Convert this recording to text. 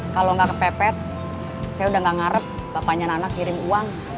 kalau nggak kepepet saya udah gak ngarep bapaknya anak kirim uang